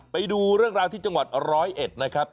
ไปดูเรื่องราวที่จังหวัด๑๐๑นะครับ